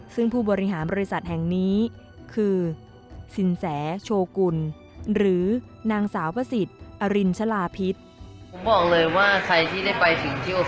ซึ่งผู้บริหารบริษัทแห่งนี้คือสินแสโชกุลหรือนางสาวพระสิทธิ์อรินชลาพิษ